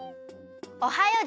「おはよう！」